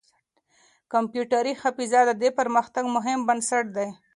کمپيوټري حافظه د دې پرمختګ مهم بنسټ دی.